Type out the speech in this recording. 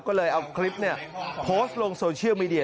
ก็เลยเอาคลิปโพสต์ลงโซเชียลมีเดีย